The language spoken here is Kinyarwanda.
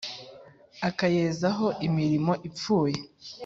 akayezaho imirimo ipfuye,